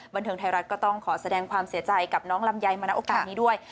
บันเทิงไทยรัฐก็ต้องขอแสดงความเสียใจกับน้องลำไยมาณโอกาสนี้ด้วย